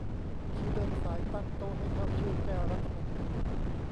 คิวเดินสายตั้งโต๊ะให้เข้าชื่อ แก้รัฐธรรมนูญ